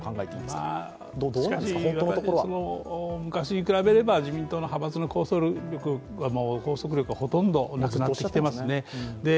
しかし、昔に比べれば自民党の派閥の拘束力はほとんどなくなってきていますね。